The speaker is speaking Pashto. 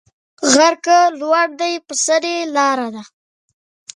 غر که لوړ دی پر سر یې لار ده